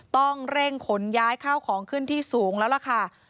ต้องเร่งขนย้ายข้าวของขึ้นที่สูงแล้วล่ะค่ะ